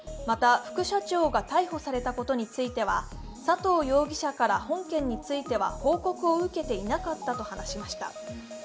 また副社長が逮捕されたことについては佐藤容疑者から本件については報告を受けていなかったと話しました。